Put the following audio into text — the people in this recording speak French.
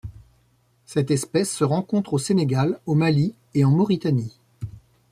Cette espèce se rencontre au Sénégal, au Mali et en Mauritanie.